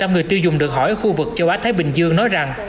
bảy mươi năm người tiêu dùng được hỏi ở khu vực châu á thái bình dương nói rằng